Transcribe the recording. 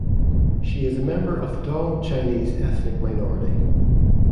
She is a member of the Dong Chinese ethnic minority.